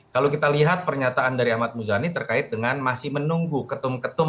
kalau kita lihat pernyataan dari ahmad muzani terkait dengan masih menunggu ketum ketum